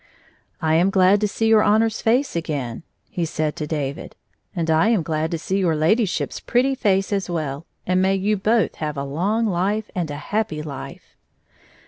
" I am glad to see your Honor's face again," he said to David. "And I am glad to see your Ladyship's pretty face as well, and may you both have a long life and a happy life."